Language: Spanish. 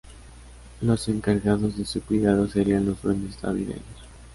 Los encargados de su cuidado serían los duendes navideños.